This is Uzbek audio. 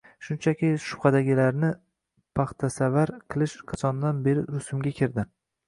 – Shunchaki shubhadagilarni paxtasavar qilish qachondan beri rusumga kirdi?